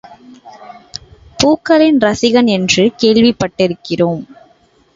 பூக்களிள் ரசிகன் என்று கேள்விப்பட்டிருக்கிறோம்.